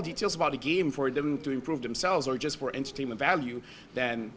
detail kecil tentang permainan untuk mereka sendiri atau hanya untuk nilai pertunjukan